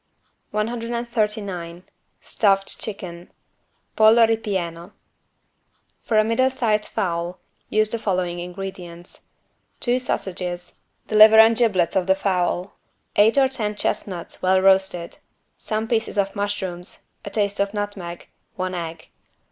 139 STUFFED CHICKEN (Pollo ripieno) For a middle sized fowl use the following ingredients: two sausages, the liver and giblets of the fowl, eight or ten chestnuts well roasted, some pieces of mushrooms, a taste of nutmeg, one egg.